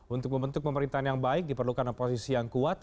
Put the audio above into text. untuk membentuk pemerintahan yang baik diperlukan oposisi yang kuat